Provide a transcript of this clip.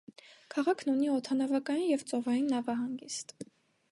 Քաղաքն ունի օդանավակայան և ծովային նավահանգիստ։